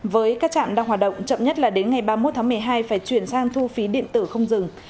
với các trạm đang hoạt động chậm nhất là đến ngày ba mươi một tháng một mươi hai phải chuyển sang thu phí điện tử không dừng